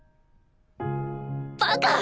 バカ！